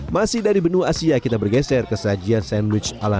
masih dari benua asia kita bergeser ke sajian sandwich ala